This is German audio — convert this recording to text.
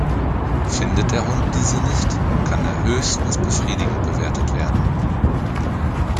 Findet der Hund diese nicht, kann er höchstes befriedigend bewertet werden.